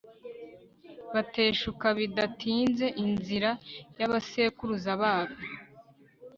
bateshuka bidatinze inzira y'abasekuruza babo